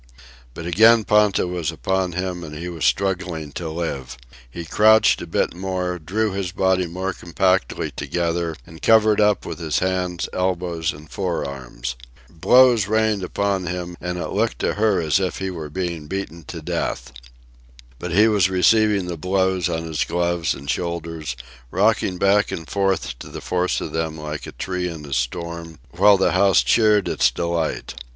But again Ponta was upon him and he was struggling to live. He crouched a bit more, drew his body more compactly together, and covered up with his hands, elbows, and forearms. Blows rained upon him, and it looked to her as though he were being beaten to death. But he was receiving the blows on his gloves and shoulders, rocking back and forth to the force of them like a tree in a storm, while the house cheered its delight.